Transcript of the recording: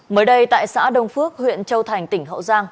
mới đây tại xã đông phước huyện châu thành tỉnh hậu giang